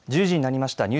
１０時になりました。